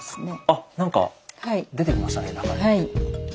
あっ何か出てきましたね